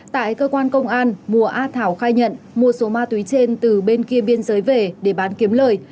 tại cơ quan công an mùa a thảo khai nhận mua số ma túy trên từ bên kia biên giới về để bán kiếm lời